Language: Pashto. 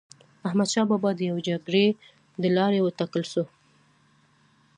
احمد شاه بابا د يوي جرګي د لاري و ټاکل سو.